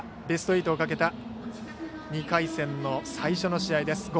ベスト８をかけた２回戦の最初の試合です。